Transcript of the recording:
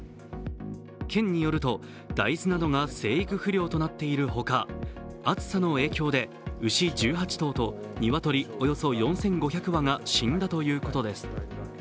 県によると、大豆などが生育不良となっているほか、暑さの影響で牛１８頭と鶏およそ４５００羽が死んだということです。